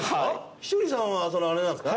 稀哲さんはそのあれなんですか？